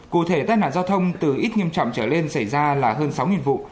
cụ thể tai nạn giao thông từ ít nghiêm trọng trở lên xảy ra là hơn sáu vụ